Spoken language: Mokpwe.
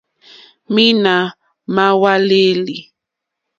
Mǐīnā má hwàlêlì.